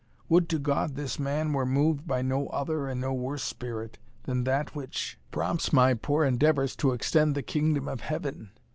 Would to God this man were moved by no other and no worse spirit than that which prompts my poor endeavours to extend the kingdom of Heaven!